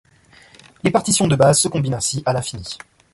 Les partitions de bases se combinent ainsi à l'infini.